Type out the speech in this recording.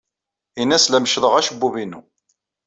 Ini-as la meccḍeɣ acebbub-inu.